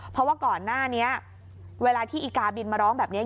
เพราะว่าก่อนหน้านี้เวลาที่อีกาบินมาร้องแบบนี้